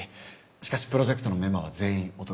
しかしプロジェクトのメンバーは全員男。